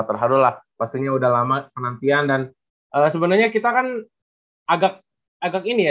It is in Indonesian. terhadulah pastinya udah lama penantian dan ala sebenarnya kita akan agak agak ini ya